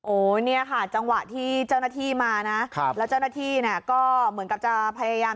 เนี่ยค่ะจังหวะที่เจ้าหน้าที่มานะครับแล้วเจ้าหน้าที่เนี่ยก็เหมือนกับจะพยายาม